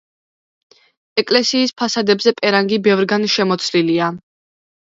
ეკლესიის ფასადებზე პერანგი ბევრგან შემოცლილია.